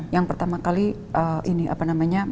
yang pertama kali aku berpikir aku harus berpikir